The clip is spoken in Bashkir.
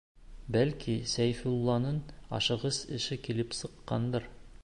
Бәлки, Сәйфулланың ашығыс эше килеп сыҡҡандыр.